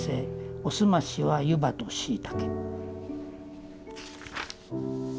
おすましはゆばとしいたけ。